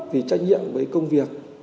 vì trách nhiệm với công việc